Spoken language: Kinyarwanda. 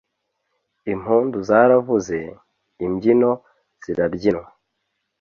impundu zaravuze, imbyino zirabyinwa